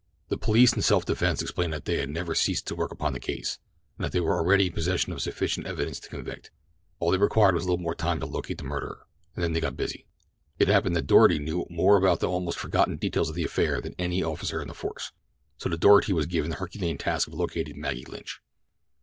The police in self defense explained that they had never ceased to work upon the case, and that they were already in possession of sufficient evidence to convict—all they required was a little more time to locate the murderer. And then they got busy. It happened that Doarty knew more about the almost forgotten details of the affair than any other officer on the force, so to Doarty was given the herculean task of locating Maggie Lynch.